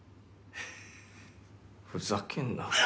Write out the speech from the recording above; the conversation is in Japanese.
ふざけんな